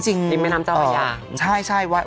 จริงดิมแม่น้ำเจ้าหาย่าง